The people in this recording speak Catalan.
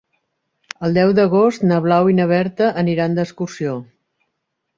El deu d'agost na Blau i na Berta aniran d'excursió.